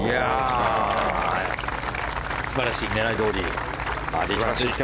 素晴らしい、狙いどおり。